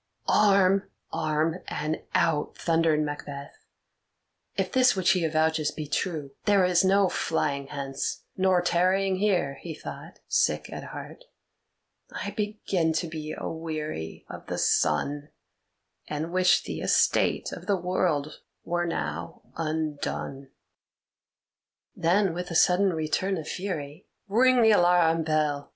"Arm, arm, and out!" thundered Macbeth. "If this which he avouches be true, there is no flying hence nor tarrying here," he thought, sick at heart. "I begin to be aweary of the sun, and wish the estate of the world were now undone." Then, with a sudden return of fury, "Ring the alarum bell!